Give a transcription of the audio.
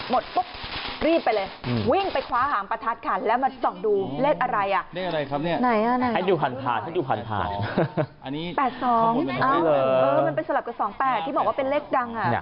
๘๒มันไปสลับกับ๒๘ที่บอกว่าเป็นเลขดัง